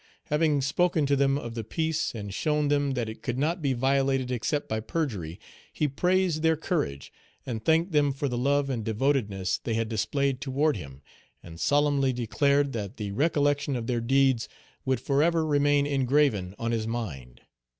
Having spoken to them of the peace, and shown them that it could not be violated except by perjury, he praised their courage, and thanked them for the love and devotedness they had displayed toward himself, and solemnly declared that the recollection of their deeds would forever remain engraven on his mind.